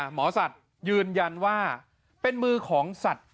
หมอสัตว์ยืนยันว่าเป็นมือของสัตว์